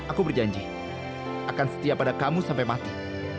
aku berjanji akan setia pada kamu sampai mati